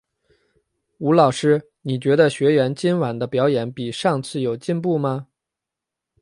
吴老师，你觉得学员今晚的表演比上次有进步吗？